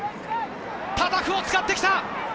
タタフを使ってきた！